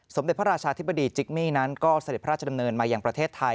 เด็จพระราชาธิบดีจิกมี่นั้นก็เสด็จพระราชดำเนินมาอย่างประเทศไทย